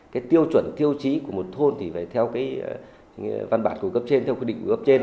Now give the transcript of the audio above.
cái tiêu chuẩn tiêu chí của một thôn thì phải theo cái văn bản của cấp trên theo quy định của cấp trên